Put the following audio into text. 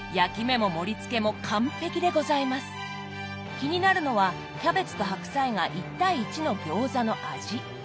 気になるのはキャベツと白菜が１対１の餃子の味。